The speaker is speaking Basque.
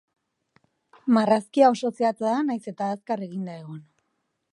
Marrazkia oso zehatza da nahiz eta azkar eginda egon.